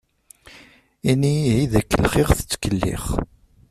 Ini ihi d akellex i aɣ-tettkellix.